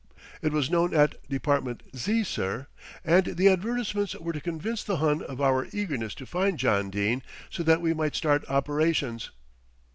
"It was known at Department Z., sir, and the advertisements were to convince the Hun of our eagerness to find John Dene so that we might start operations."